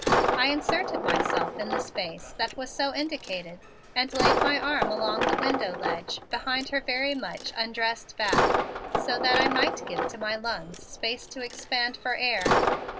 I inserted myself into the space that was so indicated and laid my arm along the window ledge behind her very much undressed back, so that I might give to my lungs space to expand for air.